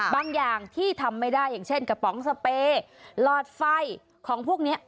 อย่างที่ทำไม่ได้อย่างเช่นกระป๋องสเปย์หลอดไฟของพวกนี้